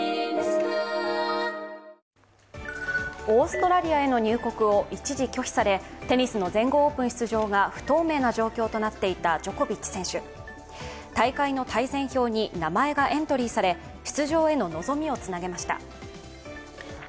オーストラリアへの入国を一時拒否されテニスの全豪オープン出場が不透明な状況となっていたジョコビッチ選手、大会の対戦表に名前がエントリーされ、出場への望みをつなげました。